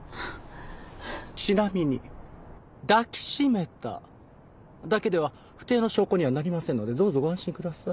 ちなみに抱きしめただけでは不貞の証拠にはなりませんのでどうぞご安心ください。